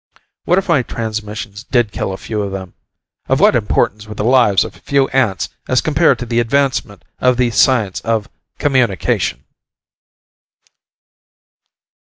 What if my transmissions did kill a few of them? Of what importance were the lives of a few ants as compared to the advancement of the science of Communication?